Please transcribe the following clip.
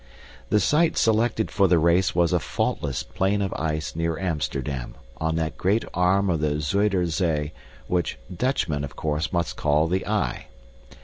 The site selected for the race was a faultless plain of ice near Amsterdam, on that great arm of the Zuider Zee, which Dutchmen, of course, must call the Eye.